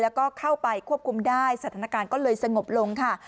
แล้วก็เข้าไปควบคุมได้สถานการณ์ก็เลยสงบลงค่ะ